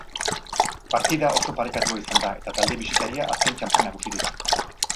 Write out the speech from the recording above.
Partida oso parekatua izan da, eta talde bisitaria azken txanpan nagusitu da.